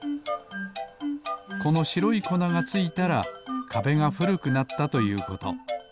このしろいこながついたらかべがふるくなったということ。